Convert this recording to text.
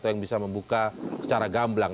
yang bisa membuka secara gamblang